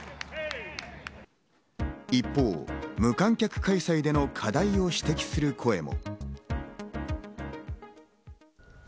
一方、無観客開催での課題を指摘する声も。